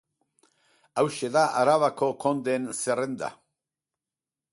Hauxe da Arabako kondeen zerrenda.